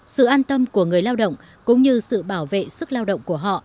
sự an tâm của người lao động cũng như sự bảo vệ sức lao động của họ